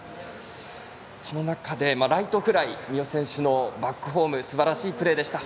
その中で、ライトフライ三好選手のバックホームはすばらしいプレーでした。